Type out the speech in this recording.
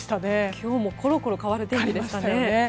今日もころころ変わる天気でしたね。